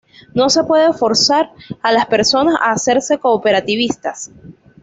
No se puede forzar a las personas a hacerse cooperativistas.